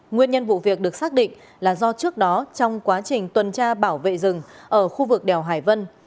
nguyên nhân vụ việc được xác định là do trước đó trong quá trình tuần tra bảo vệ rừng ở khu vực đèo hải vân